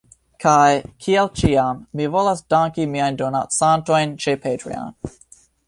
Kaj, kiel ĉiam, mi volas danki miajn donacantojn ĉe Patreon